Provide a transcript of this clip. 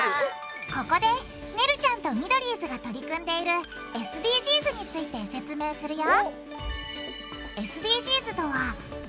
ここでねるちゃんとミドリーズが取り組んでいるＳＤＧｓについて説明するよ！